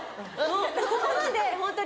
ここまでホントに。